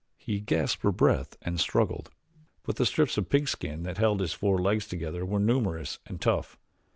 He gasped for breath and struggled; but the strips of pigskin that held his four legs together were numerous and tough.